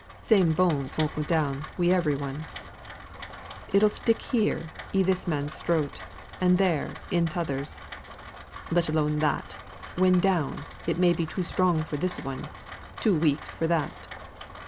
Same bones won't go down wi' every one. It'll stick here i' this man's throat, and there i' t'others. Let alone that, when down, it may be too strong for this one, too weak for that.